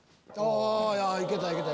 いけたいけた。